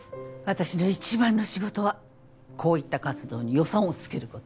私の一番の仕事はこういった活動に予算をつけること。